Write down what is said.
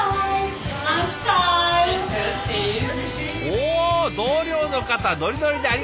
お同僚の方ノリノリでありがとうハーイ！